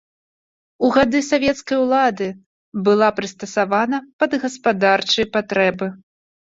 У гады савецкай улады была прыстасавана пад гаспадарчыя патрэбы.